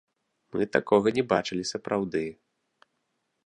Мы такога не бачылі сапраўды.